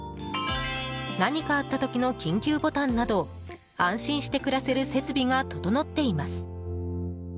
何かあった時の緊急ボタンなど安心して暮らせる設備が整っています。